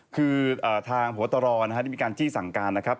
คือทางหัวตรอนะฮะที่มีการจี้สั่งการนะครับ